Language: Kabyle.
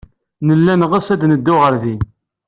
Nella neɣs ad neddu ɣer din.